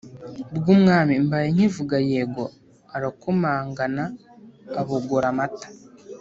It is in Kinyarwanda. rw’umwami mbaye nkivuga yego arakomangana abogora amata"